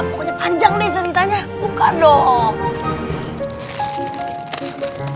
kamu udah ceritanya buka dong